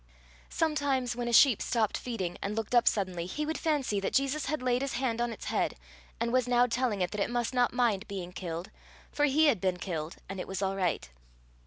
Sometimes, when a sheep stopped feeding and looked up suddenly, he would fancy that Jesus had laid his hand on its head, and was now telling it that it must not mind being killed; for he had been killed, and it was all right.